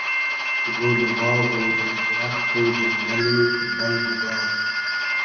گول و باغ و دئر دیرئخت و جئنگئلی پور بئلگ و بار